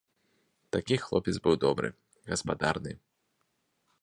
Такі хлопец быў добры, гаспадарны.